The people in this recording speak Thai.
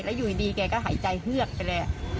แล้วอยู่ดีแกก็หายใจเฮือกไปเลย